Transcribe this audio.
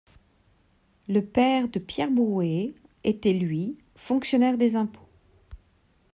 Le père de Pierre Broué était lui fonctionnaire des impôts.